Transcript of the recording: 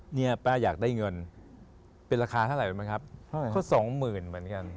เนี่ยป้าอยากได้เงินเป็นราคาเท่าไหร่มั้งครับเขาสองหมื่นเหมือนกัน